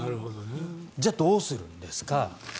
じゃあ、どうするんですか。